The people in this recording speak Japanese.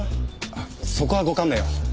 あっそこはご勘弁を。